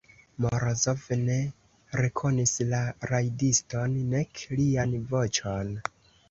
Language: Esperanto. Morozov ne rekonis la rajdiston, nek lian voĉon.